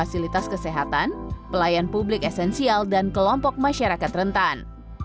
fasilitas kesehatan pelayan publik esensial dan kelompok masyarakat rentan